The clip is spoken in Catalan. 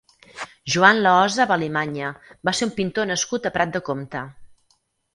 Joan Lahosa Valimanya va ser un pintor nascut a Prat de Comte.